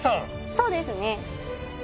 そうですね。